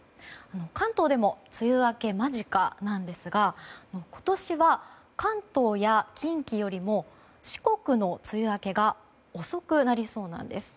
関東でも梅雨明け間近なんですが今年は関東や近畿よりも四国の梅雨明けが遅くなりそうなんです。